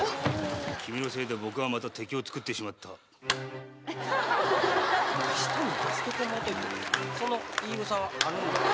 君のせいで僕はまた敵をつくってしまった人に助けてもろうといてその言い草はあるのかな